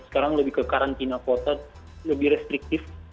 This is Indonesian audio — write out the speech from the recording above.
sekarang lebih ke karantina kota lebih restriktif